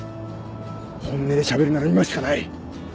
本音でしゃべるなら今しかない。